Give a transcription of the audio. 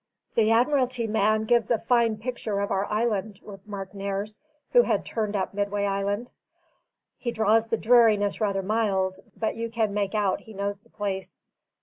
"The Admiralty man gives a fine picture of our island," remarked Nares, who had turned up Midway Island. "He draws the dreariness rather mild, but you can make out he knows the place."